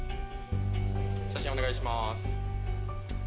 写真お願いします。